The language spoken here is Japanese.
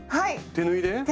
手縫いで！